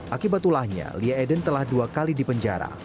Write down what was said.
akibat tulahnya lia eden telah dua kali di penjara